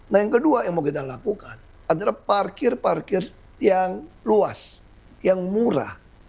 nah yang kedua yang mau kita lakukan adalah parkir parkir yang luas yang murah